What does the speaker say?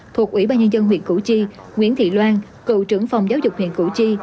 thuộc ủy ban nhân dân huyện củ chi nguyễn thị loan cựu trưởng phòng giáo dục huyện củ chi